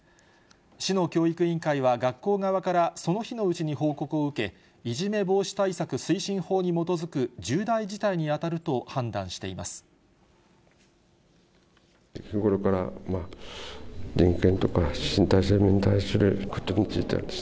市の教育委員会は、学校側からその日のうちに報告を受け、いじめ防止対策推進法に基づく重大事態に当たると判断しています。